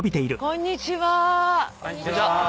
こんにちは。